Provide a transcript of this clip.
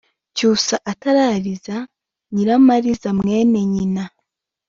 Cyusa atarariza nyiramariza mwene nyina